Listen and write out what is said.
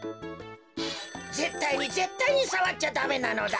☎ぜったいにぜったいにさわっちゃダメなのだ。